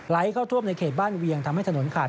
เข้าท่วมในเขตบ้านเวียงทำให้ถนนขาด